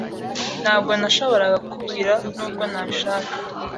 Ntabwo nashoboraga kukubwira nubwo nabishaka.